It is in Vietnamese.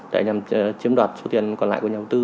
để nhằm chiếm đoạt số tiền còn lại của nhà đầu tư